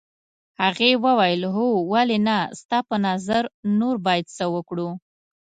هغې وویل هو ولې نه ستا په نظر نور باید څه وکړو.